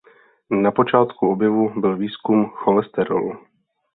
Na počátku objevu byl výzkum cholesterolu.